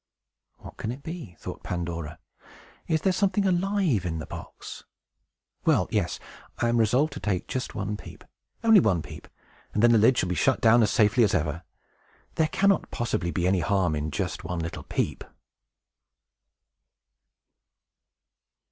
"What can it be?" thought Pandora. "Is there something alive in the box? Well! yes! I am resolved to take just one peep! Only one peep; and then the lid shall be shut down as safely as ever! There cannot possibly be any harm in just one little peep!"